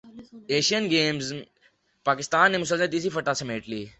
Asian games Pakistan نے مسلسل تیسری فتح سمیٹ لی